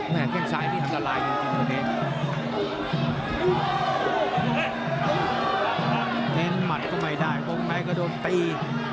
เห็นตำรวจคนพวกแม๊ยก็โดนตี